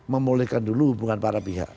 membolehkan dulu hubungan para pihak